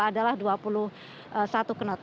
adalah dua puluh satu knot